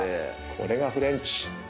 これがフレンチ。